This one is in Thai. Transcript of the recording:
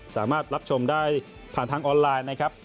สามารถรับชมได้ผ่านทางออนไลน์นะครับ